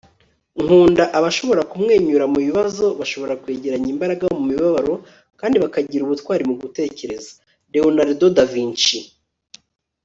nkunda abashobora kumwenyura mu bibazo, bashobora kwegeranya imbaraga mu mibabaro, kandi bakagira ubutwari mu gutekereza. - leonardo da vinci